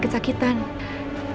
tidak ada yang bisa dibayar